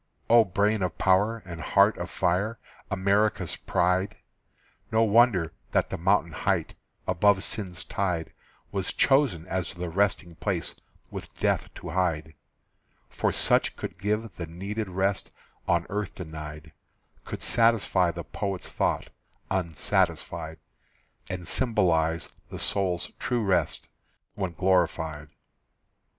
O brain of power and heart of fire, America's pride, No wonder that the mountain height, Above sin's tide, Was chosen as the resting place With death to hide; For such could give the needed rest On earth denied, Could satisfy the poet's thought, Unsatisfied, And symbolize the soul's true rest When glorified.